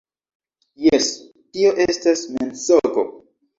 - Jes, - Tio estas mensogo.